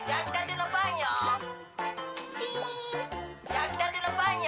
やきたてのパンよ。